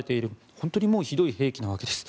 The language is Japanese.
本当にひどい兵器のわけです。